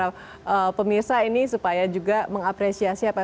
semoga bin tetap semangat membantu pemerintah dalam memutus mata rantai penyusupan